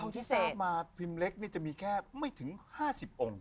เขาที่ทราบมาพิมเล็กนี่จะมีแค่ไม่ถึง๕๐องค์